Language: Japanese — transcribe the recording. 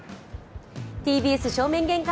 ＴＢＳ正面玄関